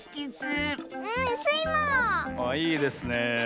ああいいですねえ。